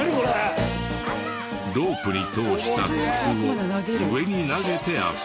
ロープに通した筒を上に投げて遊ぶらしい。